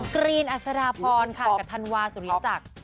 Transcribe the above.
กรีนอัศดาพรค่ะกับธันวาสุริจักร